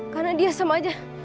karena dia sama aja